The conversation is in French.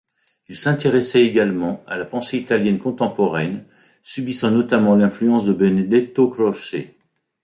Il s'intéressait également à la pensée italienne contemporaine, subissant notamment l'influence de Benedetto Croce.